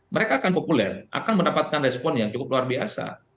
mereka akan populer akan mendapatkan respon yang cukup luar biasa